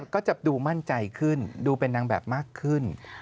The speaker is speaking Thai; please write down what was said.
ก็จะดูมั่นใจขึ้นดูเป็นนางแบบมากขึ้น